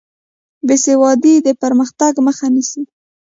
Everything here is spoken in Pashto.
بېسوادي د پرمختګ مخه نیسي.